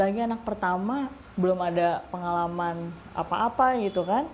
lagi anak pertama belum ada pengalaman apa apa gitu kan